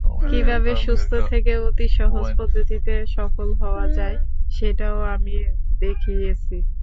কীভাবে সুস্থ থেকে অতি সহজ পদ্ধতিতে সফল হওয়া যায়, সেটাও আমি দেখিয়েছি।